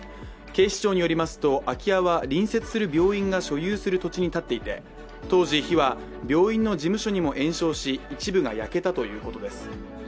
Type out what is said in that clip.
警視庁によりますと、空き家は隣接する病院が所有する土地に建っていて、当時火は病院の事務所にも延焼し、一部が焼けたということです。